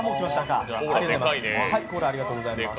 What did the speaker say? コーラ、ありがとうございます。